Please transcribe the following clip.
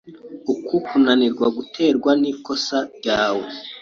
Uku kunanirwa guterwa nikosa ryawe.